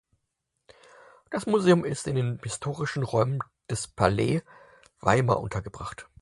Das Museum ist in den historischen Räumen des Palais Weimar untergebracht.